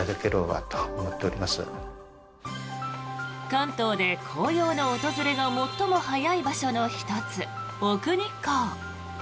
関東で紅葉の訪れが最も早い場所の１つ、奥日光。